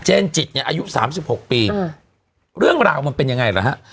เจนจิตเนี่ยอายุสามสิบหกปีอืมเรื่องราวมันเป็นยังไงล่ะฮะ